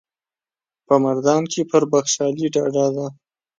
په مردان کې پر بخشالي ډاډه ده.